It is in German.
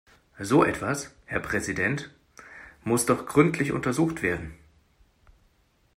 So etwas, Herr Präsident, muss doch gründlich untersucht werden.